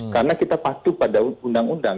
karena kita patuh pada undang undang